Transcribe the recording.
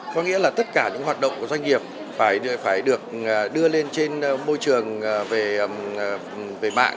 có nghĩa là tất cả những hoạt động của doanh nghiệp phải được đưa lên trên môi trường về mạng